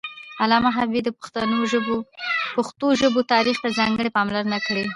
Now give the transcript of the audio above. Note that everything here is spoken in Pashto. علامه حبيبي د پښتو ژبې تاریخ ته ځانګړې پاملرنه کړې ده